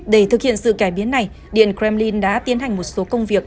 để thực hiện sự cải biến này điện kremlin đã tiến hành một số công việc